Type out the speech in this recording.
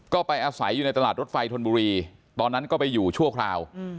ก็ไปอาศัยอยู่ในตลาดรถไฟธนบุรีตอนนั้นก็ไปอยู่ชั่วคราว